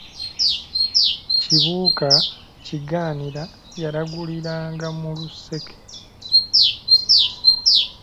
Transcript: Kibuuka Kigaanira yalaguliranga mu luseke.